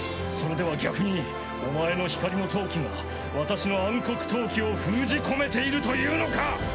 それでは逆にお前の光の闘気が私の暗黒闘気を封じ込めているというのか！